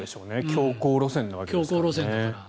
強硬路線なわけですからね。